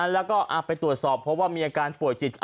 แล้วก็ไปตรวจสอบเพราะว่ามีอาการป่วยจิต